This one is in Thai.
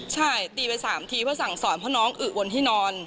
ใช่ตีไป๓ทีสั่งส่อนเค้าเอาเน้องอึอวลที่นอน